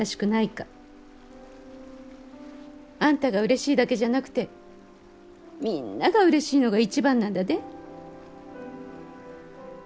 あんたがうれしいだけじゃなくてみんながうれしいのが一番なんだで。